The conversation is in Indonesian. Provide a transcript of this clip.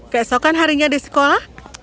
keesokan harinya di sekolah